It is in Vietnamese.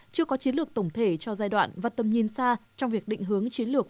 chưa có chiến lược tổng thể cho giai đoạn và tầm nhìn xa trong việc định hướng chiến lược